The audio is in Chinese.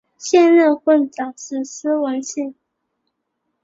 现任会长是施文信。